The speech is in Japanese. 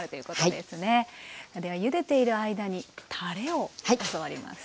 ではゆでている間にたれを教わります。